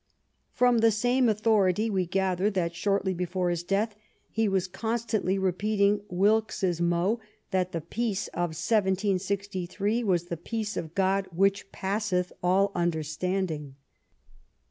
"*^ From the same authority we gather that shortly before his death he was constantly repeating Wilkes's mot, that the Peace of 1768 was the peace of God which passeth all understanding.